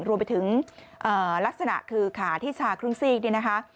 รวมไปถึงลักษณะคือขาที่ชาครึ่งซีก